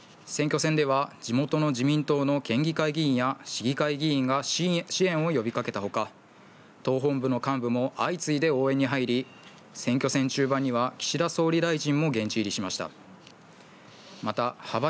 選挙戦では、地元の自民党の県議会議員や、市議会議員が支援を呼びかけたほか党本部の幹部も、相次いで応援に入り選挙戦中盤には、岸田総理大臣も現地入りしました。